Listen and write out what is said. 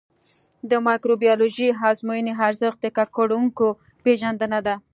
د مایکروبیولوژیکي ازموینې ارزښت د ککړونکو پېژندنه ده.